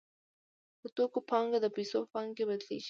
د توکو پانګه د پیسو په پانګه بدلېږي